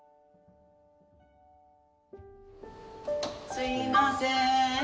すいません。